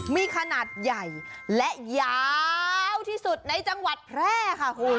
มีขนาดใหญ่และยาวที่สุดในจังหวัดแพร่ค่ะคุณ